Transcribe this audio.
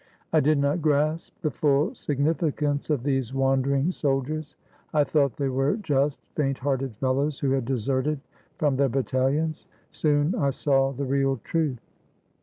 I did not grasp the full significance of these wandering soldiers. I thought they were just faint hearted fellows who had deserted from their battalions. Soon I saw the real truth.